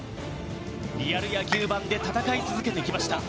リアル野球ＢＡＮで戦い続けてきました。